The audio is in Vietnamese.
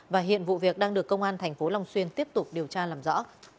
và hiện vụ việc đang được công an tp long xuyên tiếp tục điều tra làm rõ